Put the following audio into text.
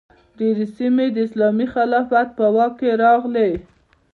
ډیرې سیمې د اسلامي خلافت په واک کې راغلې.